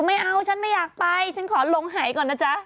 ไม่เอาฉันไม่อยากไปฉันขอลงหายก่อนนะจ๊ะ